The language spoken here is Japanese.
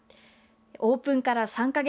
オープンから３か月。